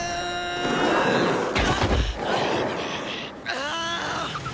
ああ！